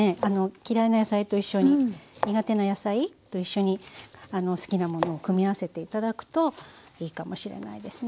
嫌いな野菜と一緒に苦手な野菜と一緒に好きなものを組み合わせていただくといいかもしれないですね。